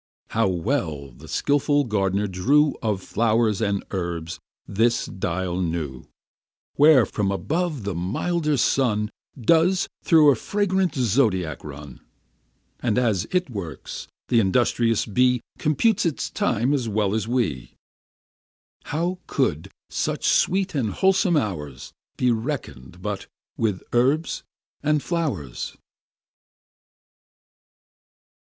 How well the skillful gard'ner drew Of flow'rs and herbs this dial new, Where from above the milder sun Does through a fragrant zodiac run; And as it works, th' industrious bee Computes its time as well as we. How could such sweet and wholesome hours Be reckon'd but with herbs and flow'rs!